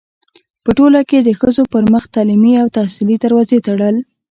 پـه ټـولـه کـې د ښـځـو پـر مـخ تـعلـيمي او تحصـيلي دروازې تــړل.